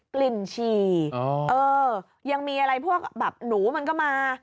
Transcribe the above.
กลิ่นฉี่ยังมีอะไรพวกแบบหนูมันก็มา